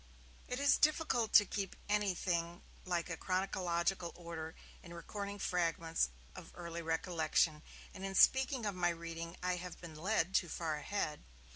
It is difficult to keep anything like chronological order in recording fragments of early recollection, and in speaking of my reading I have been led too far ahead.